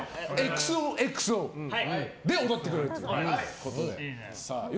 「ＸＯＸＯ」で踊ってくれるということで。